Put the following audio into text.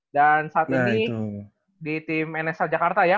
dan saat ini di tim nsa jakarta ya